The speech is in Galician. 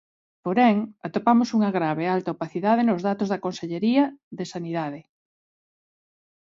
Porén, atopamos unha grave e alta opacidade nos datos da Consellería de Sanidade.